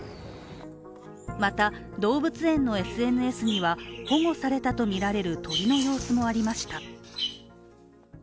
また、動物園のＳＮＳには保護されたとみられる鳥の様子もありました。